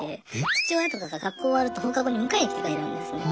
父親とかが学校終わると放課後に迎えに来てくれるんですね。